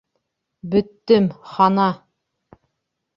Бөттөм, хана.